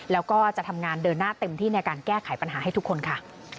แล้วก็จะทำงานเดินหน้าเต็มที่ในการแก้ไขปัญหาให้ทุกคนค่ะ